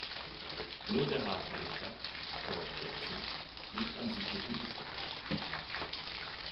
Nur der Hafen der Stadt, Port Jackson, liegt am südlichen Ufer.